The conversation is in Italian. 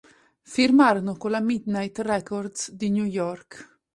Firmarono con la Midnight Records di New York.